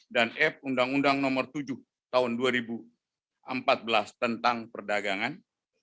dan f undang undang nomor tujuh tahun dua ribu empat belas tentang perdagangan